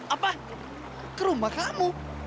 apa ke rumah kamu